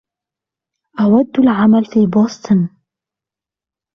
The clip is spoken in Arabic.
أود العمل في بوستن.